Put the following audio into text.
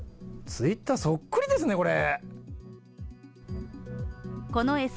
ツイッターそっくりですねこれ。